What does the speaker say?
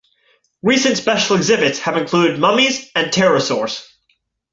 Recent special exhibits have included Mummies and Pterosaurs.